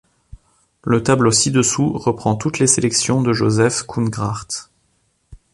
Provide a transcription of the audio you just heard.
Le tableau ci-dessous reprend toutes les sélections de Joseph Coenegracht.